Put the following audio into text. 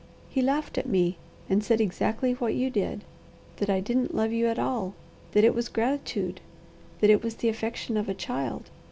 He laughed at me, and said exactly what you did, that I didn't love you at all, that it was gratitude, that it was the affection of a child.